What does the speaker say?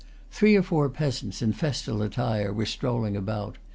Three or four peasants, in festal attire, were strolling about.